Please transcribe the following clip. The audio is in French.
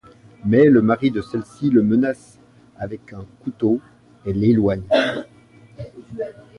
Mais le mari de celle-ci le menace avec un couteau et l'éloigne.